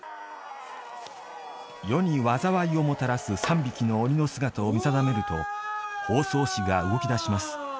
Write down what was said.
世に禍をもたらす３匹の鬼の姿を見定めると方相氏が動き出します。